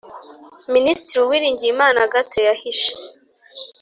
Ministre uwiringiyimana agathe yahishe